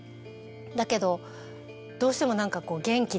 だけどどうしても何かこう。